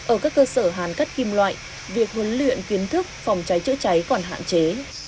ở các cơ sở hàn cắt kim loại việc huấn luyện kiến thức phòng cháy chữa cháy còn hạn chế